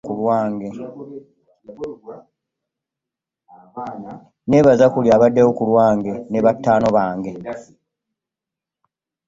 Nebaza buli abaddewo ku lwange ne bato bange.